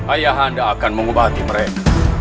ayah anda akan mengubah timren